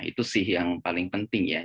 itu sih yang paling penting ya